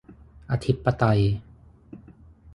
อธิปไตย